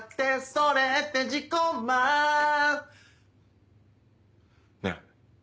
それって自己満？ねぇ。